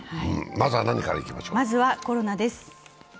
まずはコロナです。